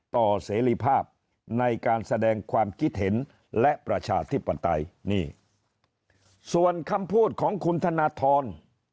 เสรีภาพในการแสดงความคิดเห็นและประชาธิปไตยนี่ส่วนคำพูดของคุณธนทร